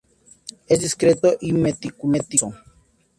Es discreto y meticuloso.